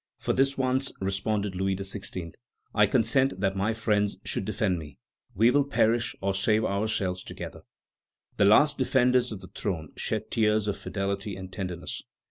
"For this once," responded Louis XVI., "I consent that my friends should defend me; we will perish or save ourselves together." The last defenders of the throne shed tears of fidelity and tenderness.